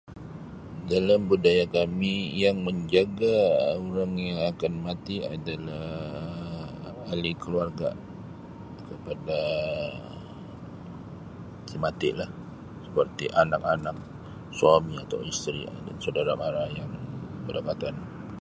Dalam budaya kami, yang menjaga orang yang akan mati adalah ahli keluarga kepada si mati lah seperti anak-anak, suami atau isteri dan saudara mara yang berdekatan.